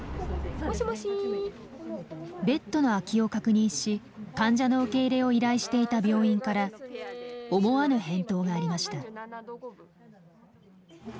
ベッドの空きを確認し患者の受け入れを依頼していた病院から思わぬ返答がありました。